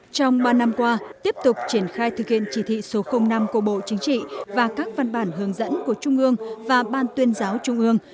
trong ba năm qua tiếp tục triển khai thực hiện chỉ thị số năm của bộ chính trị và các văn bản hướng dẫn của trung ương và ban tuyên giáo trung ương